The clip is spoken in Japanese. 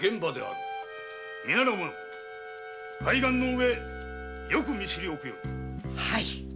皆の者拝顔の上よく見知りおくように。